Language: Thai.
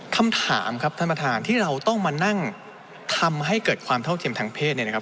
คำถามครับท่านประธานที่เราต้องมานั่งทำให้เกิดความเท่าเทียมทางเพศเนี่ยนะครับ